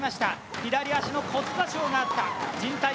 左足の骨挫傷があった。